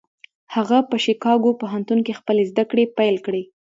هغه په شيکاګو پوهنتون کې خپلې زدهکړې پيل کړې.